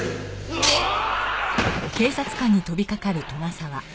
うわーっ！